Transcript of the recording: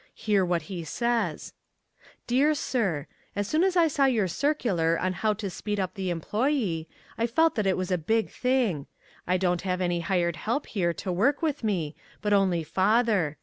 Hear what he says: Dear Sir: As soon as I saw your circular on HOW TO SPEED UP THE EMPLOYEE I felt that it was a big thing. I don't have any hired help here to work with me, but only father.